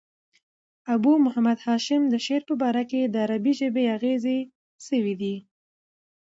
ابو محمد هاشم د شعر په ژباړه کښي د عربي ژبي اغېزې سوي دي.